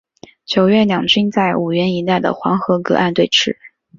九月两军在五原一带的黄河隔岸对峙。